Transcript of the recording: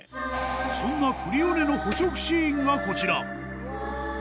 そんなクリオネの捕食シーンがこちら。